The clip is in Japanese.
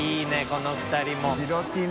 この２人も。